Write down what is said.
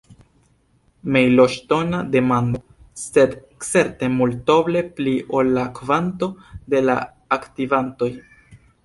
Mejloŝtona demando, sed certe multoble pli ol la kvanto de la aktivantoj.